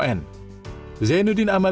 zainuddin amali menerima pemberitahuan